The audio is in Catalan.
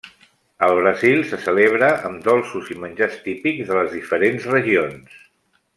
Al Brasil se celebra amb dolços i menjars típics de les diferents regions.